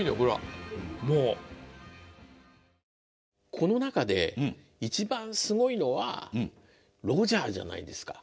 この中で一番すごいのはロジャーじゃないですか。